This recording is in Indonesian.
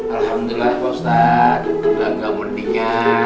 alhamdulillah pak ustadz udah gak mendingan